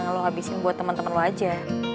jangan lo habisin buat temen temen lo aja